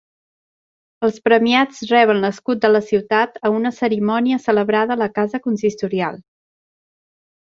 Els premiats reben l'escut de la ciutat a una cerimònia celebrada a la casa consistorial.